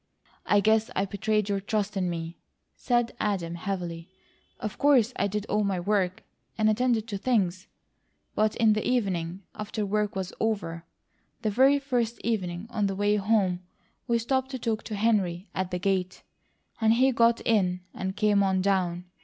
"I guess I betrayed your trust in me," said Adam, heavily. "Of course I did all my work and attended to things; but in the evening after work was over, the very first evening on the way home we stopped to talk to Henry at the gate, and he got in and came on down.